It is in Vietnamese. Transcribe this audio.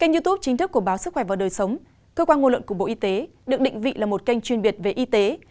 youtube chính thức của báo sức khỏe và đời sống cơ quan ngôn luận của bộ y tế được định vị là một kênh chuyên biệt về y tế